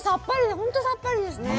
本当にさっぱりですね。